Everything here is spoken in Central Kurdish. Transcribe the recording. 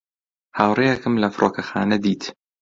هاوڕێیەکم لە فڕۆکەخانە دیت.